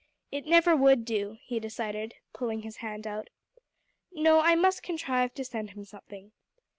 "It never would do," he decided, pulling his hand out. "No, I must contrive to send him something.